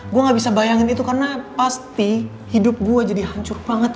gue gak bisa bayangin itu karena pasti hidup gue jadi hancur banget